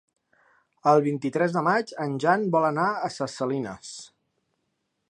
El vint-i-tres de maig en Jan vol anar a Ses Salines.